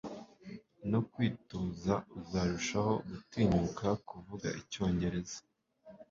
no kwitoza uzarushaho gutinyuka kuvuga icyongereza